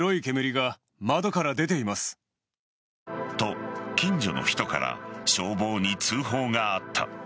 と、近所の人から消防に通報があった。